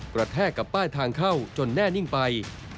แทกกับป้ายทางเข้าจนแน่นิ่งไป